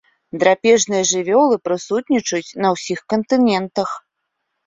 Драпежныя жывёлы прысутнічаюць на ўсіх кантынентах.